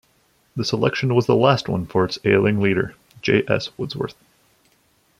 This election was the last one for its ailing leader, J. S. Woodsworth.